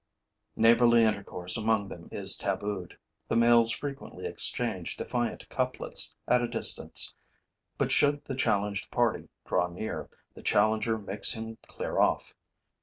Neighborly intercourse among them is tabooed. The males frequently exchange defiant couplets at a distance; but, should the challenged party draw near, the challenger makes him clear off.